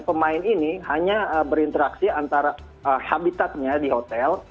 pemain ini hanya berinteraksi antara habitatnya di hotel